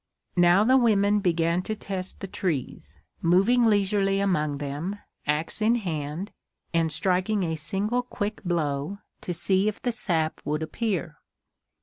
Now the women began to test the trees moving leisurely among them, axe in hand, and striking a single quick blow, to see if the sap would appear.